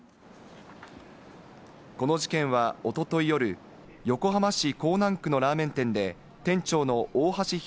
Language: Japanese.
この事件は、おととい夜、横浜市港南区のラーメン店で店長の大橋弘